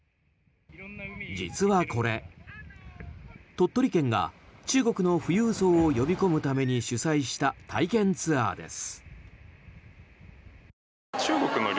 実はこれ、鳥取県が中国の富裕層を呼び込むために主催した体験ツアーです。